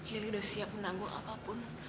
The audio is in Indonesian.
lili sudah siap menanggung apapun